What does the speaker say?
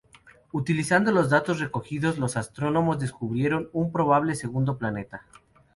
Utilizando los datos recogidos, los astrónomos descubrieron un probable segundo planeta.